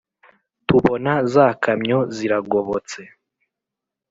tubona za kamyo ziragobotse